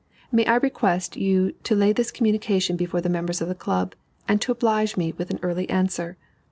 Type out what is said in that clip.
May I request you to lay this communication before the members of the Club, and to oblige me with an early answer?